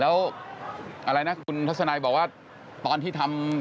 แล้วอะไรนะคุณทัศนัยบอกว่าตอนที่ทำ